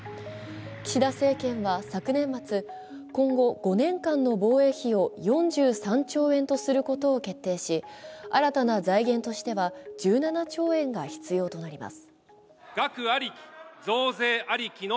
岸田政権は昨年末、今後５年間の防衛費を４３兆円とすることを決定し、新たな財源としては１７兆円が必要となります。